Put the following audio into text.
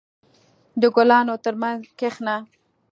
• د ګلانو ترمنځ کښېنه.